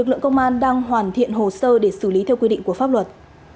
lực lượng công an đang hoàn thiện hồ sơ để xử lý theo quy định của pháp luật